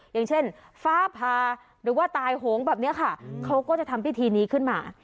อย่างเช่นฟ้าผ่าหรือว่าตายโหงแบบนี้ค่ะเขาก็จะทำพิธีนี้ขึ้นมา